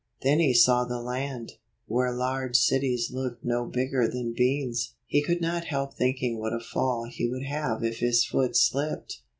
Then he saw the land, where large cities looked no bigger than beans. He could not help thinking what a fall he would have if his foot slipped.